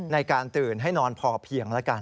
ในการตื่นให้นอนพอเพียงแล้วกัน